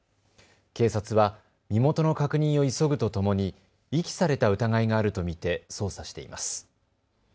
警察は身元の確認を急ぐとともに遺棄された疑いがあると見て捜査しています。